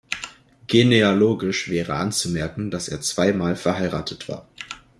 Genealogisch wäre anzumerken, dass er zwei Mal verheiratet war.